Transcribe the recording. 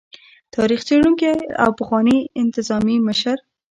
تاريخ څيړونکي او پخواني انتظامي مشر